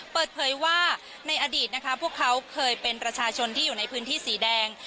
เปิดเผยว่าในอดีตนะคะพวกเขาเคยเป็นประชาชนที่อยู่ในพื้นที่สีแดง